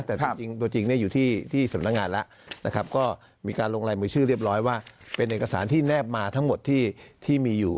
แต่จริงตัวจริงอยู่ที่สำนักงานแล้วนะครับก็มีการลงลายมือชื่อเรียบร้อยว่าเป็นเอกสารที่แนบมาทั้งหมดที่มีอยู่